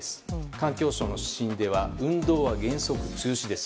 環境省の指針では運動は原則中止です。